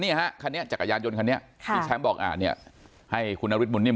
นี่ฮะคันนี้จักรยายนยนต์คันนี้ค่ะอีกแชมป์บอกอ่านี่ให้คุณอฤทธิ์หมุนนิม